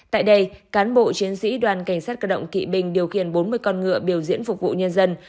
tại đây cán bộ chiến sĩ đoàn cảnh sát cơ động kỵ bình điều khiển bốn mươi con ngựa biểu diễn phục vụ nhân dân